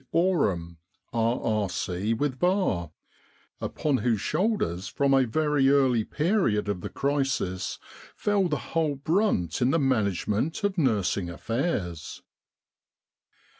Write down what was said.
Oram, R.R.C. with Bar, upon whose shoulders from a very early period of the crisis fell the whole brunt in the management of nursing affairs.